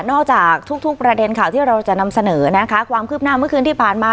จากทุกประเด็นข่าวที่เราจะนำเสนอนะคะความคืบหน้าเมื่อคืนที่ผ่านมา